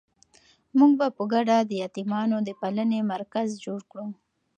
موږ به په ګډه د یتیمانو د پالنې مرکز جوړ کړو.